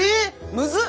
むずっ！